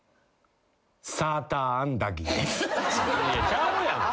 ちゃうやん。